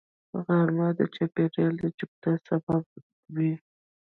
غرمه د چاپېریال د چوپتیا سبب وي